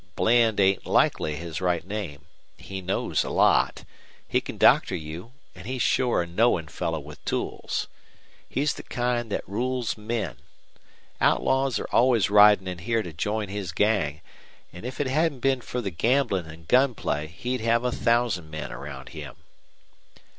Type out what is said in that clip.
Bland ain't likely his right name. He knows a lot. He can doctor you, an' he's shore a knowin' feller with tools. He's the kind thet rules men. Outlaws are always ridin' in here to join his gang, an' if it hadn't been fer the gamblin' an' gun play he'd have a thousand men around him."